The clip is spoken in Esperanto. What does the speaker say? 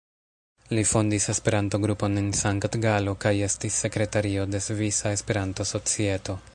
Li fondis Esperanto-grupon en Sankt-Galo kaj estis sekretario de Svisa Esperanto-Societo.